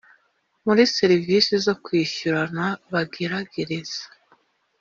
Muri serivisi zo kwishyurana bageragereza